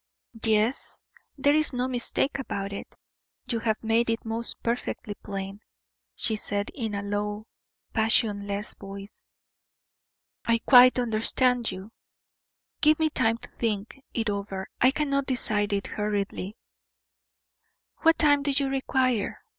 "Yes, there is no mistake about it you have made it most perfectly plain," she said, in a low, passionless voice. "I quite understand you. Give me time to think it over I cannot decide it hurriedly." "What time do you require?"